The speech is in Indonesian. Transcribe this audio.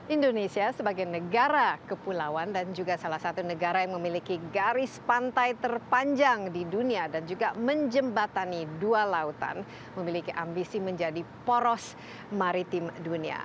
indonesia sebagai negara kepulauan dan juga salah satu negara yang memiliki garis pantai terpanjang di dunia dan juga menjembatani dua lautan memiliki ambisi menjadi poros maritim dunia